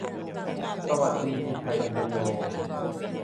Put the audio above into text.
สวัสดีมีชัย ชโย